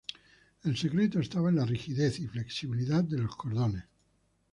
El secreto estaba en la rigidez y flexibilidad de los cordones.